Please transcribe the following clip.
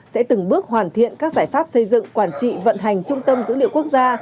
sẽ từng bước hoàn thiện các giải pháp xây dựng quản trị vận hành trung tâm dữ liệu quốc gia